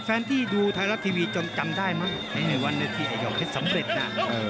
แฟนที่ดูไทยรัฐทีวีจนจำได้มั้งในวันเลขที่ไอ้เจ้าเพชรสำเร็จนะ